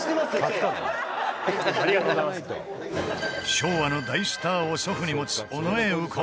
昭和の大スターを祖父に持つ尾上右近